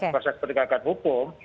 proses penegakan hukum